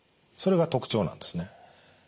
それが特徴なんですね。